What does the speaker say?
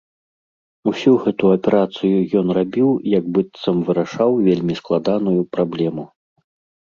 Усю гэту аперацыю ён рабіў, як быццам вырашаў вельмі складаную праблему.